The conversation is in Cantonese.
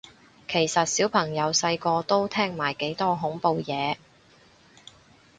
其實小朋友細個都聽埋幾多恐怖嘢